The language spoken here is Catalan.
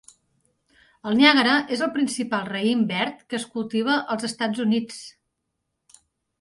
El niàgara és el principal raïm verd que es cultiva als Estats Units.